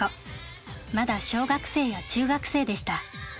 まだ小学生や中学生でした。